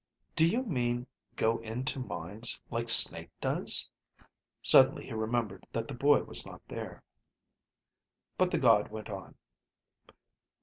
Do you mean go into minds like Snake does?" Suddenly he remembered that the boy was not there. But the god went on.